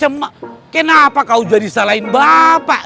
kenapa kau jadi salahin bapak